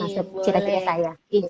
masuk cerita kita ya